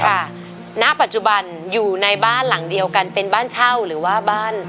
ค่ะณปัจจุบันอยู่ในบ้านหลังเดียวกันเป็นบ้านเช่าหรือว่าบ้าน